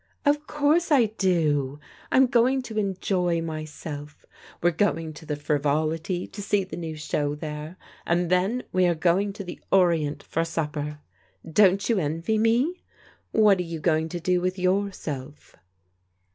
" Of course I do. I'm going to enjoy myself. We're going to the Frivolity to see the new show there, and Aen we are going to the Orient for supper. Don't you envy me? What are you going to do with yourself?